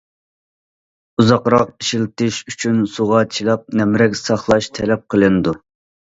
ئۇزاقراق ئىشلىتىش ئۈچۈن سۇغا چىلاپ نەمرەك ساقلاش تەلەپ قىلىنىدۇ.